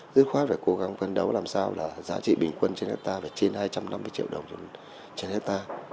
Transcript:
dứt khoát phải cố gắng cân đấu làm sao là giá trị bình quân cho hết ta phải trên hai trăm năm mươi triệu đồng cho hết ta